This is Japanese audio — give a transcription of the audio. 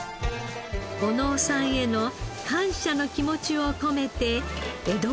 小野尾さんへの感謝の気持ちを込めて江戸